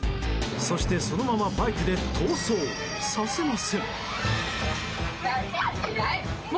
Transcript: そしてそのままバイクで逃走させません！